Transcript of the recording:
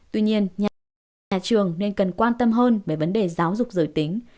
tuy nhiên nhà trường nên cần quan tâm hơn về vấn đề giáo dục giới tính